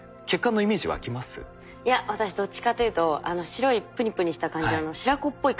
いや私どっちかというとあの白いプニプニした感じ白子っぽい感じの。